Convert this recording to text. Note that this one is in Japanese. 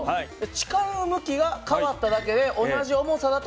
力の向きが変わっただけで同じ重さだという事ですよね。